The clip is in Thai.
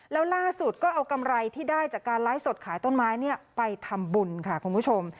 แล้วล่าสุดก็เอากำไรที่ได้จากการไลฟ์สดขายต้นไม้ไปทำบุญค่ะคุณผู้ชม